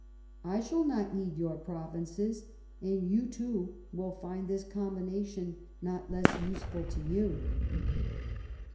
I shall not need your provinces, and you too will find this combination not less useful to you."